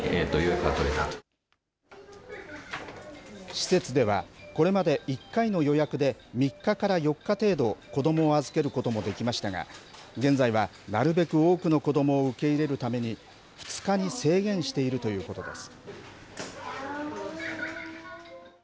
施設では、これまで１回の予約で３日から４日程度、子どもを預けることもできましたが、現在はなるべく多くの子どもを受け入れるために、２日に制限しているということです。